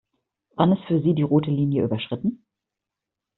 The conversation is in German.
Wann ist für Sie die rote Linie überschritten?